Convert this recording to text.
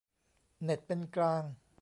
เน็ตเป็นกลาง